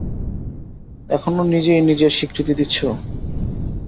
এখনো, নিজেই নিজেই স্বীকৃতি দিচ্ছো?